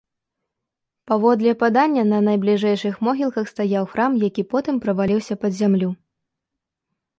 Паводле падання, на бліжэйшых могілках стаяў храм, які потым праваліўся пад зямлю.